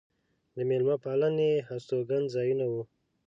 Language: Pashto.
د مېلمه پالنې هستوګن ځایونه و.